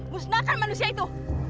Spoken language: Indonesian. musnahkan manusia itu